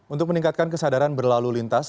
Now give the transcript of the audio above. untuk meningkatkan kesadaran berlalu lintas